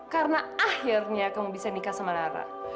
karena akhirnya kamu bisa nikah sama nara